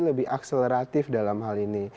lebih akseleratif dalam hal ini